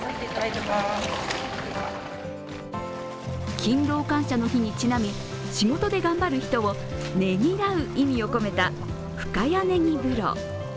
勤労感謝の日にちなみ、仕事で頑張る人をねぎらう意味を込めた深谷ねぎ風呂。